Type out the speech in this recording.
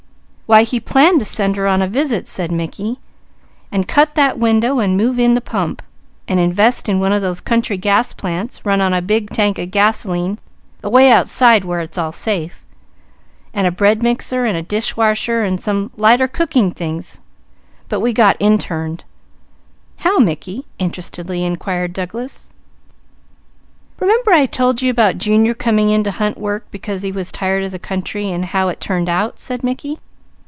"Why we planned to send her on a visit," said Mickey, "and cut that window, and move in the pump, and invest in one of those country gas plants, run on a big tank of gasoline away outside where it's all safe, and a bread mixer, and a dishwasher, and some lighter cooking things; but we got interned." "How Mickey?" interestedly inquired Douglas. "Remember I told you about Junior coming in to hunt work because he was tired of the country, and how it turned out?" said Mickey.